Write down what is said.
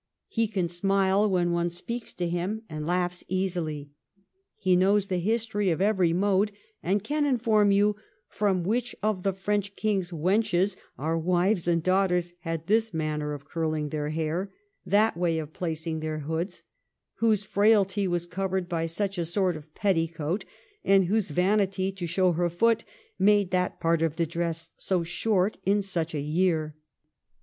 He can smile when one speaks to him, and laughs easily. He knows the history of every mode, and can inform you from which of the French King's wenches our wives and daughters had this manner of curling their hair, that way of placing their hoods; whose frailty was covered by such a sort of petticoat, and whose vanity to show her foot made that part of the dress so short in such a year.